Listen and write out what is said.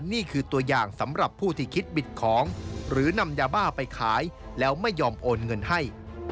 นี่คือตัวอย่างสำหรับผู้ที่คิดบิดของหรือนำยาบ้าไปขายแล้วไม่ยอมโอนเงินให้